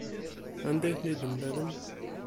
Anda ay ten-id-temlalem?